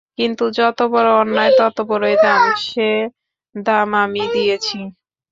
কিন্তু যতবড়ো অন্যায় ততবড়োই দাম, সে দাম আমি দিয়েছি।